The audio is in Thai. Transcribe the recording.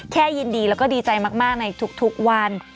แค่ยินดีแล้วก็ดีใจมากในทุกวัน